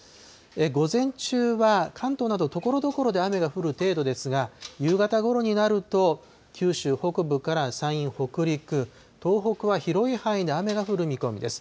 午前中は関東などところどころで雨が降る程度ですが、夕方ごろになると、九州北部から山陰、北陸、東北は広い範囲で雨が降る見込みです。